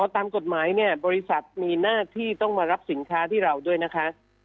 ตามกฎหมายเนี่ยบริษัทมีหน้าที่ต้องมารับสินค้าที่เราด้วยนะคะ